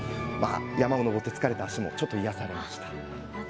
山を登って疲れた足も癒やされました。